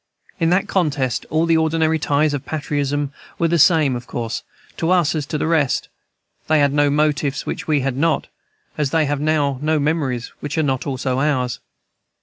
In that contest all the ordinary ties of patriotism were the same, of course, to us as to the rest; they had no motives which we had not, as they have now no memories which are not also ours.